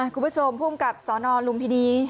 คุณผู้ชมผู้มกับสอนอนรุมพิธี